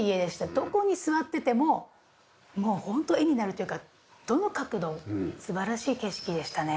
どこに座っててももうホント絵になるというかどの角度も素晴らしい景色でしたね。